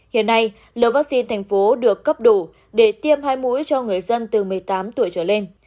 hiện nay lô vaccine thành phố được cấp đủ để tiêm hai mũi cho người dân từ một mươi tám tuổi trở lên